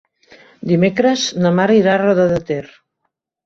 Dimecres na Mar irà a Roda de Ter.